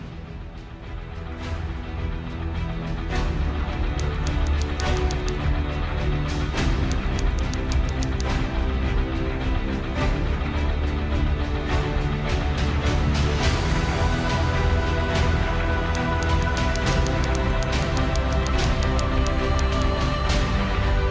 pertistiwa ini adalah peristiwa kudeta pertama yang tampil langsung di pengadilan sebagai penuntut umum